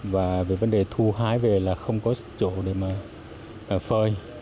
và về vấn đề thu hái về là không có chỗ để mà phơi